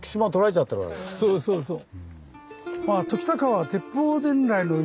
そうそうそう。